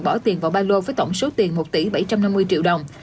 bỏ tiền vào ba lô với tổng số tiền một tỷ bảy trăm năm mươi triệu đồng